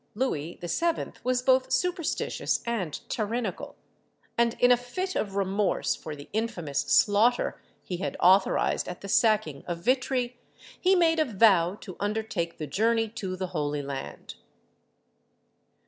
Louis VII. was both superstitious and tyrannical, and, in a fit of remorse for the infamous slaughter he had authorised at the sacking of Vitry, he made a vow to undertake the journey to the Holy Land.